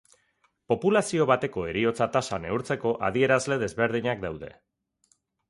Populazio bateko heriotza-tasa neurtzeko adierazle desberdinak daude.